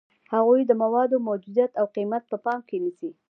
هغوی د موادو موجودیت او قیمت په پام کې نیسي.